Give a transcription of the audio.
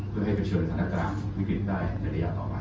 เพื่อให้เจอมันธนการณ์วิกังในระยะต่อไป